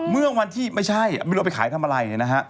เมื่อวันที่ไม่ใช่ไม่รู้เอาไปขายทำอะไรนะฮะ